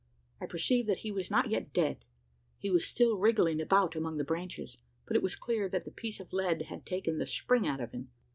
I perceived that he was not yet dead. He was still wriggling about among the branches; but it was clear that the piece of lead had taken the "spring" out of him.